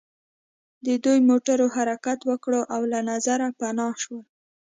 د دوی موټرو حرکت وکړ او له نظره پناه شول